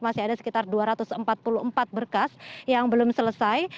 masih ada sekitar dua ratus empat puluh empat berkas yang belum selesai